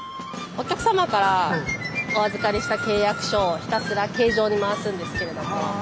お客様からお預かりした契約書をひたすら計上に回すんですけれども。